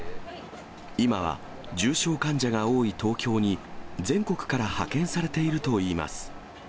今は重症患者が多い東京に、全国から派遣されているといいます。